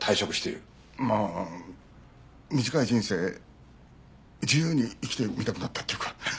まあ短い人生自由に生きてみたくなったっていうか。